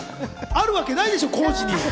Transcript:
あるわけないでしょ、浩次に！